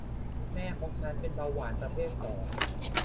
แม่ของฉันเป็นเบาหวานประเภทสอง